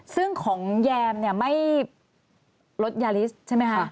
ซึ่งของแยมไม่รถยาริสใช่ไหมฮะ